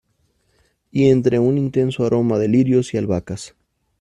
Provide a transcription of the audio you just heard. Y entre un intenso aroma de lirios y albahacas.